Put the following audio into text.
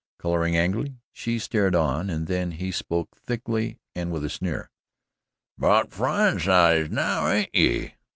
Colouring angrily, she started on and then he spoke thickly and with a sneer: "'Bout fryin' size, now, ain't ye?